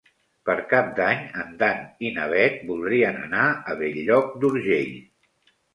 Per Cap d'Any en Dan i na Bet voldrien anar a Bell-lloc d'Urgell.